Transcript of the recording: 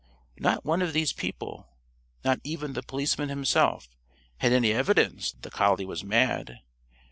Not one of these people not even the policeman himself had any evidence that the collie was mad.